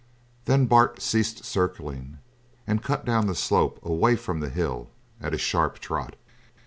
Then Bart ceased circling and cut down the slope away from the hill at a sharp trot.